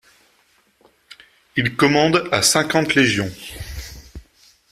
Il commande à cinquante légions.